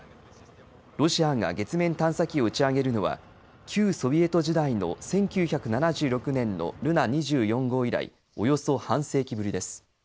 ロシアが月面探査機を打ち上げるのは旧ソビエト時代の１９７６年のルナ２４号以来およそ半世紀ぶりです。